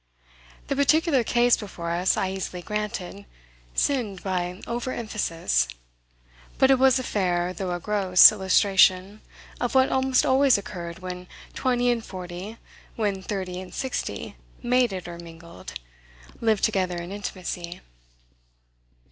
The particular case before us, I easily granted, sinned by over emphasis, but it was a fair, though a gross, illustration of what almost always occurred when twenty and forty, when thirty and sixty, mated or mingled, lived together in intimacy.